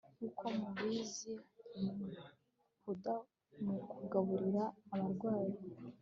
Nkuko mubizi mu kugaburira abarwayi